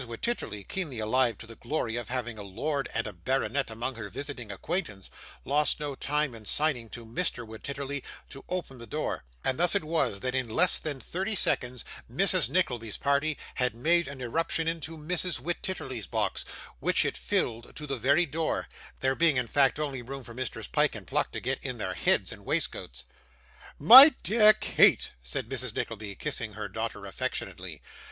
Wititterly, keenly alive to the glory of having a lord and a baronet among her visiting acquaintance, lost no time in signing to Mr. Wititterly to open the door, and thus it was that in less than thirty seconds Mrs. Nickleby's party had made an irruption into Mrs. Wititterly's box, which it filled to the very door, there being in fact only room for Messrs Pyke and Pluck to get in their heads and waistcoats. 'My dear Kate,' said Mrs. Nickleby, kissing her daughter affectionately.